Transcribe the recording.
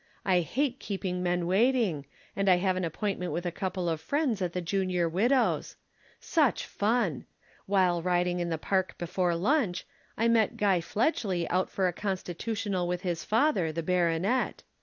I hate keeping men waiting, and I have an appointment with a couple of friends at the Junior Widows'. Such fun! While riding in the park before lunch, I met Guy Fledgely out for a constitutional with his father, the baronet.